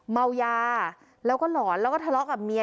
เมายาแล้วก็หลอนแล้วก็ทะเลาะกับเมีย